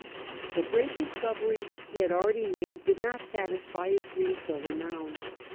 The great discoveries he had already made did not sa^tisfy his greed for renown.